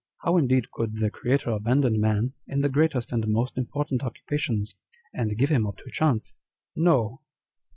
How indeed could the Creator abandon man in the greatest and most important occupations, and give him up to chance? No